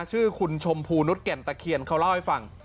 ชื่อคุณชมพูนุษยแก่นตะเคียนเขาเล่าให้ฟัง